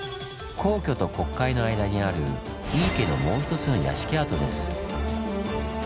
皇居と国会の間にある井伊家のもう一つの屋敷跡です。